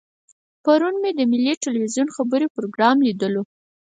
پرون مې د ملي ټلویزیون خبري پروګرام لیدلو.